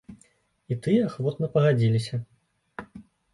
І тыя ахвотна пагадзіліся.